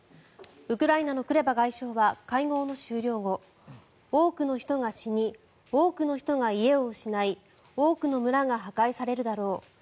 ウクライナのクレバ外相は会合の終了後多くの人が死に多くの人が家を失い多くの村が破壊されるだろう。